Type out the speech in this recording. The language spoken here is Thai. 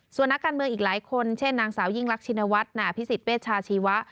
ส่วนนักการเมืองอีกหลายคนเช่นนางสาวยิ่งรักชินวัฒน์นาพิสิทธเวชาชีวะ